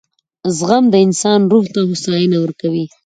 • زغم د انسان روح ته هوساینه ورکوي.